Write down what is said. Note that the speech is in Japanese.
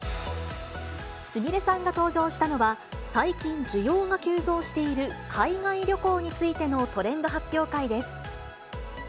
すみれさんが登場したのは、最近需要が急増している海外旅行についてのトレンド発表会です。